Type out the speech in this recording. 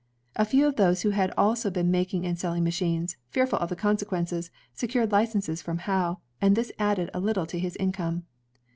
A few of those who had also been making and selling machines, fearful of the consequences, secured licenses from Howe, and this added a little to his income.